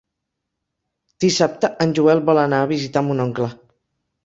Dissabte en Joel vol anar a visitar mon oncle.